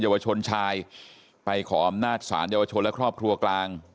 ยาวชนชายไปขออำนาจศาลเยาวชนและครอบครัวกลาง